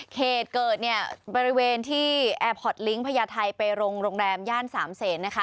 เหตุเกิดเนี่ยบริเวณที่แอร์พอร์ตลิงก์พญาไทยไปโรงแรมย่านสามเศษนะคะ